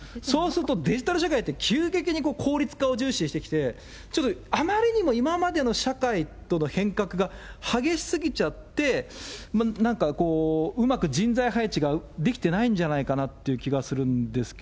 デジタル社会って急激に効率化を重視してきて、ちょっとあまりにも今までの社会との変革が激しすぎちゃって、なんかこう、うまく人材配置ができてないんじゃないかなって気がするんですけ